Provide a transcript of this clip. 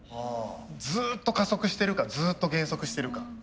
ずっと加速してるかずっと減速してるか。